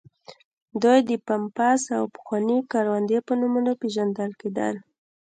دوی د پامپاس او پخواني کوراندي په نومونو پېژندل کېدل.